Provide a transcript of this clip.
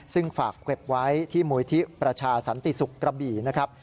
ซึ่งฝากเก็บไว้ที่หมูลทิประชาศันติสุกรบีนะครับ